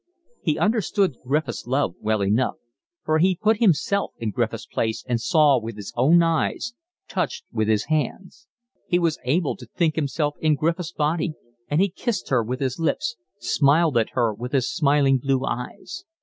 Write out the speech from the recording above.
He understood Griffiths' love well enough, for he put himself in Griffiths' place and saw with his eyes, touched with his hands; he was able to think himself in Griffiths' body, and he kissed her with his lips, smiled at her with his smiling blue eyes.